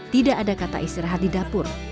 tidak ada kata istirahat di dapur